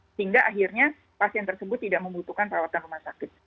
sehingga akhirnya pasien tersebut tidak membutuhkan perawatan rumah sakit